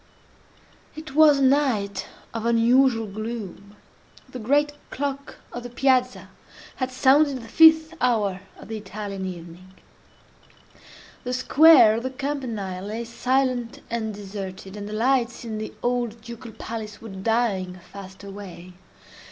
It was a night of unusual gloom. The great clock of the Piazza had sounded the fifth hour of the Italian evening. The square of the Campanile lay silent and deserted, and the lights in the old Ducal Palace were dying fast away.